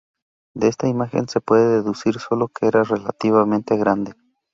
De esta imagen se puede deducir sólo que era relativamente grande.